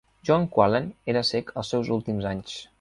John Qualen era cec als seus últims anys.